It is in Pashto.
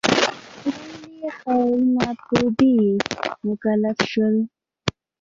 ساحلي ښارونه په دې مکلف شول.